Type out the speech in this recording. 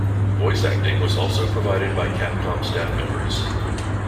Voice acting was also provided by Capcom staff members.